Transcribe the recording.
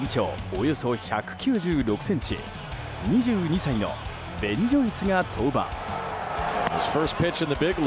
およそ１９６ｃｍ２２歳のベン・ジョイスが登板。